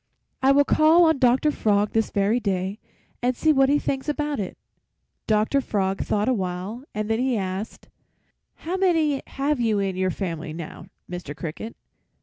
I will call on Doctor Frog this very day, and see what he thinks about it.' "Doctor Frog thought awhile and then he asked, 'How many have you in your family, now, Mr. Cricket?'